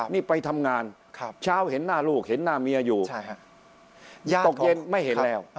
นี่ไปทำงานเช้าเห็นหน้าลูกเห็นหน้าเมียอยู่ตกเย็นไม่เห็นแล้ว